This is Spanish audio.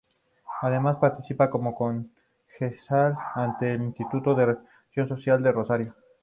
Además participa como concejal ante el Instituto de Previsión Social de Rosario.